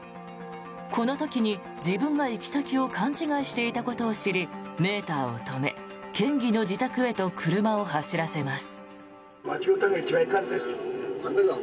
この時に自分が行き先を勘違いしていたことを知りメーターを止め県議の自宅へと車を走らせます。